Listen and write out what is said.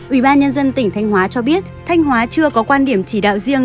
ủy ban nhân dân tỉnh thanh hóa cho biết thanh hóa chưa có quan điểm chỉ đạo riêng